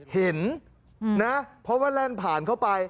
เห็นนะเพราะว่าแล่นผ่านเข้าไป